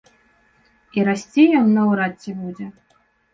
І расці ён наўрад ці будзе.